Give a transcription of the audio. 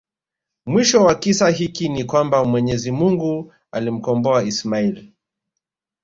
mwisho wa kisa hiki ni kwamba MwenyeziMungu alimkomboa Ismail